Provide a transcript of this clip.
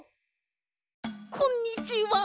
こんにちは。